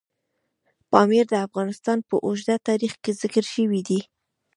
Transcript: پامیر د افغانستان په اوږده تاریخ کې ذکر شوی دی.